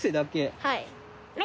はい。